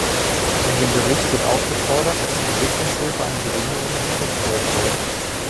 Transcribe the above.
In dem Bericht wird auch gefordert, dass die Entwicklungshilfe an Bedingungen geknüpft werden soll.